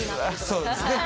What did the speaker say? そうですね。